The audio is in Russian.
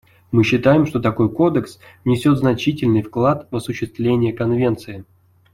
Мы считаем, что такой кодекс внесет значительный вклад в осуществление Конвенции.